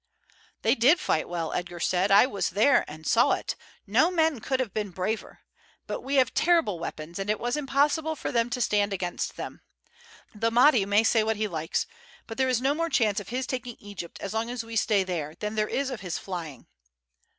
"They did fight well," Edgar said. "I was there and saw it; no men could have been braver; but we have terrible weapons, and it was impossible for them to stand against them. The Mahdi may say what he likes, but there is no more chance of his taking Egypt as long as we stay there than there is of his flying."